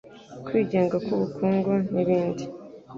kwigenga ku bukungu n'ibindi.